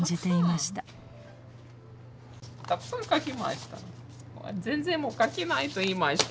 たくさん書きました。